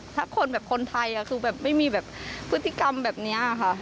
ถ้าคนแบบคนไทยคือแบบไม่มีแบบพฤติกรรมแบบนี้ค่ะ